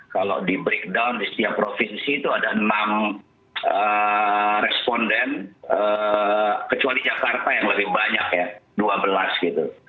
kalau di breakdown di setiap provinsi itu ada enam responden kecuali jakarta yang lebih banyak ya dua belas gitu